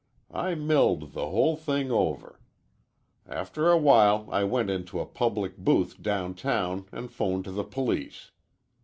I milled the whole thing over. After a while I went into a public booth downtown an' 'phoned to the police.